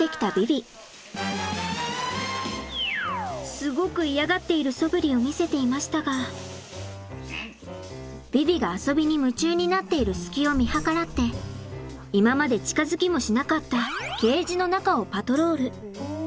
すごく嫌がっているそぶりを見せていましたがヴィヴィが遊びに夢中になっている隙を見計らって今まで近づきもしなかったおお！